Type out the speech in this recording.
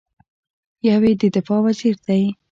یو یې د دفاع وزیر دی.